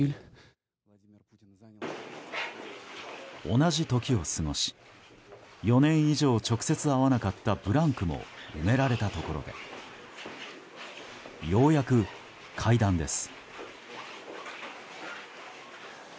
同じ時を過ごし４年以上、直接会わなかったブランクも埋められたところでようやく会談です。